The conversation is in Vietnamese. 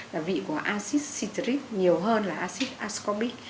là vị của acid citric nhiều hơn là acid ascombiq